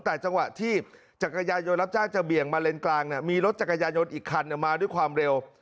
แต่จังหวะที่จักรยายนรับจ้างจะเบี่ยงมาเลนกลางมีรถจักรยายนอีกคันมาด้วยความเร็ว